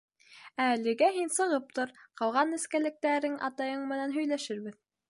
Ә әлегә һин сығып тор, ҡалған нескәлектәрен атайың менән һөйләшербеҙ.